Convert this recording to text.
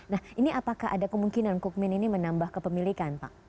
nah ini apakah ada kemungkinan kukmin ini menambah kepemilikan pak